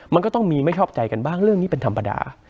มันก็ต้องมีไม่ชอบใจกันบ้างเรื่องนี้เป็นธรรมดา